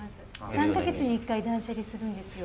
３か月に１回断捨離するんですよ。